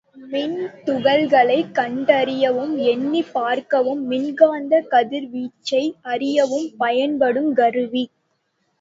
மின்துகள்களைக் கண்டறியவும் எண்ணிப் பார்க்கவும் மின்காந்தக் கதிர்வீச்சை அறியவும் பயன்படுங் கருவி.